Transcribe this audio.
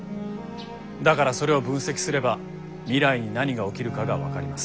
だからそれを分析すれば未来に何が起きるかが分かります。